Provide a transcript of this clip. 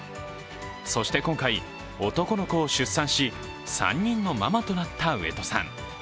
そして今回、男の子を出産し３人のままとなった上戸さん。